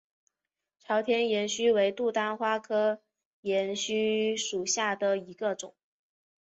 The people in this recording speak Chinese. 朝天岩须为杜鹃花科岩须属下的一个种。